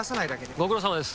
ご苦労さまです。